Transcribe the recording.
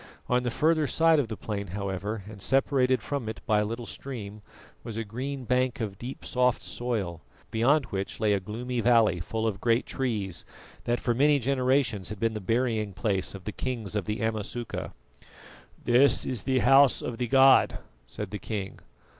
On the further side of the plain, however, and separated from it by a little stream, was a green bank of deep soft soil, beyond which lay a gloomy valley full of great trees, that for many generations had been the burying place of the kings of the Amasuka. "This is the house of the god," said the king.